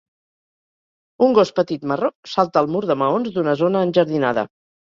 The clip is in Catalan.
Un gos petit marró salta el mur de maons d'una zona enjardinada.